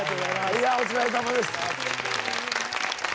いやお疲れさまです。